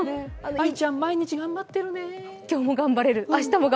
めぐちゃん、毎日頑張ってるね。